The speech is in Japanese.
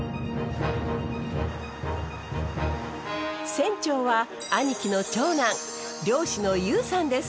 船長は兄貴の長男漁師の優さんです。